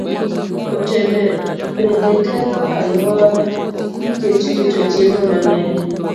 Otende bende ketho alwora nikech wito chiemo mang'eny.